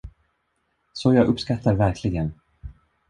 Så jag uppskattar verkligen.